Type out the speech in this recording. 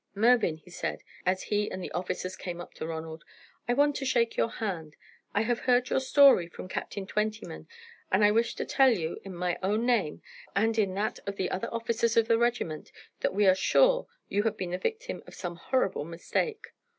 "Mervyn," he said, as he and the officers came up to Ronald, "I want to shake your hand. I have heard your story from Captain Twentyman, and I wish to tell you, in my own name and in that of the other officers of the regiment, that we are sure you have been the victim of some horrible mistake.